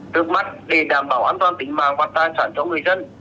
được mắt để đảm bảo an toàn tính màng hoa tài sản cho người dân